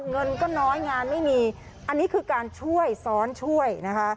เงินก็น้อยงานไม่มีอันนี้คือการช่วยซ้อนช่วยนะคะ